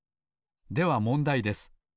ではもんだいです。